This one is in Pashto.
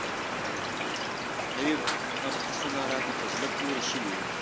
نوي مبحثونه راته په زړه پورې شوي وو.